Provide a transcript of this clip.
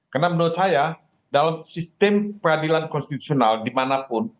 karena menurut saya dalam sistem peradilan konstitusional dimanapun